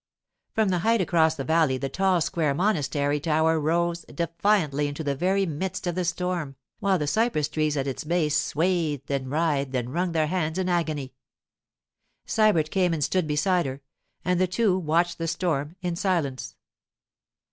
From the height across the valley the tall square monastery tower rose defiantly into the very midst of the storm, while the cypress trees at its base swayed and writhed and wrung their hands in agony. Sybert came and stood beside her, and the two watched the storm in silence.